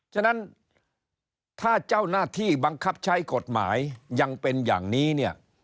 ฉะนั้นถ้าเจ้าหน้าที่บังคับใช้กฎหมายยังเป็นอย่างนี้เนี่ย